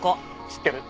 知ってる。